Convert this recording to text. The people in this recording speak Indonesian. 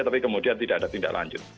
tapi kemudian tidak ada tindak lanjut